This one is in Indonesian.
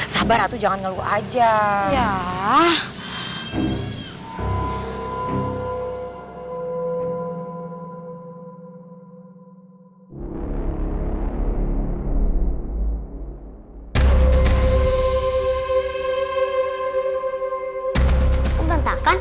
sabar atuh jangan ngeluk aja